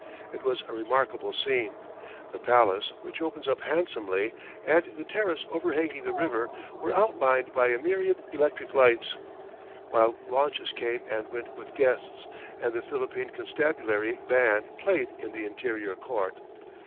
It was a remarkable scene. The palace, which opens up handsomely, and the terrace overhanging the river, were outlined by a myriad electric lights, while launches came and went with guests, and the Philippine Constabulary Band played in the interior court.